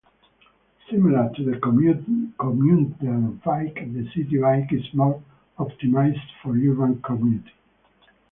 Similar to the commuter bike, the city bike is more optimized for urban commuting.